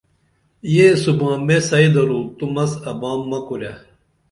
یہ سُبام مِی سئی درو تو مس ابام مہ کُرے